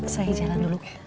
saya jalan dulu